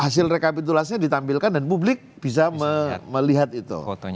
hasil rekapitulasinya ditampilkan dan publik bisa melihat itu